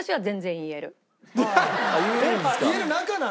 言える仲。